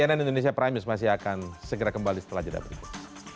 cnn indonesia prime news masih akan segera kembali setelah jeda berikut